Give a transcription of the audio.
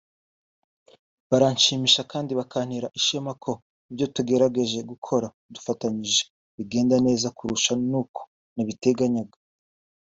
baranshimisha kandi bakantera ishema ko ibyo tugerageje gukora dufatanyije bigenda neza kurusha n’uko nabiteganyaga